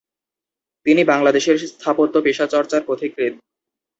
তিনি বাংলাদেশের স্থাপত্য পেশা চর্চার পথিকৃৎ।